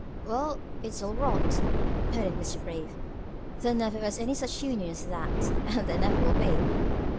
"Well, it's all rot!" put in Mr. Brief. "There never was any such union as that, and there never will be."